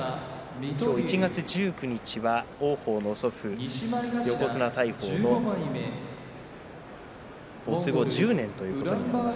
１月１９日は王鵬の祖父横綱大鵬の没後１０年ということになります。